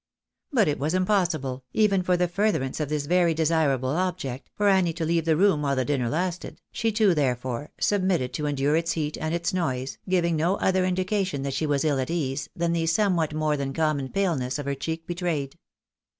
But it was impossible, even for the furtherance of this very desir able object, for Annie to leave the room while the dinner lasted ; she too, therefore, submitted to endure its heat and its noise, giving no other indication that she was ill at ease, than the somewhat more than common paleness of her cheek betrayed.